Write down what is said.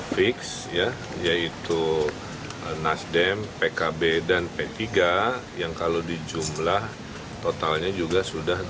fiks yaitu nasdem pkb dan p tiga yang kalau dijumlah totalnya juga sudah dua puluh satu